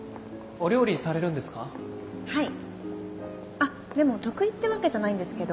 あっでも得意ってわけじゃないんですけど。